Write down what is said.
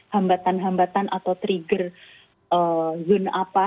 hambatan hambatan atau trigger zone apa